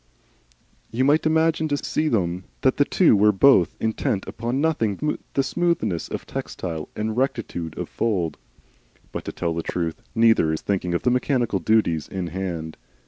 You might imagine to see them that the two were both intent upon nothing but smoothness of textile and rectitude of fold. But to tell the truth, neither is thinking of the mechanical duties in hand.